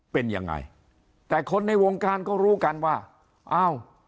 เป็นยังไงแต่คนในวงการก็รู้กันว่าอ้าว